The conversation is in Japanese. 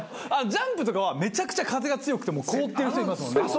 ジャンプとかはめちゃくちゃ風が強くて凍ってる人いますもんね。